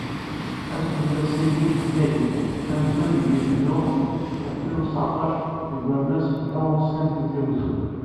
Ad tkemmel ass-agi n letnayen, amenzu deg yulyu alfin u seεṭac, deg Wammas n Lhu Ussnan n Tizi Uzzu.